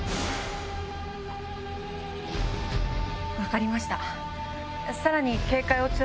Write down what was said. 分かりました。